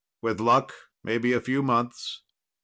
With luck, maybe a few months.